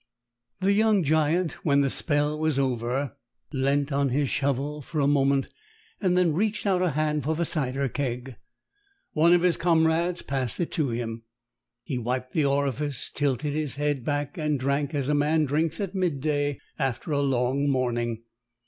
The young giant, when the spell was over, leant on his shovel for a moment and then reached out a hand for the cider keg. One of his comrades passed it to him. He wiped the orifice, tilted his head back and drank as a man drinks at midday after a long morning.